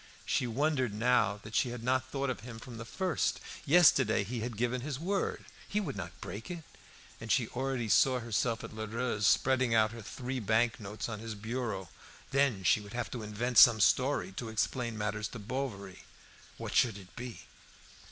She wondered now that she had not thought of him from the first. Yesterday he had given his word; he would not break it. And she already saw herself at Lheureux's spreading out her three bank notes on his bureau. Then she would have to invent some story to explain matters to Bovary. What should it be?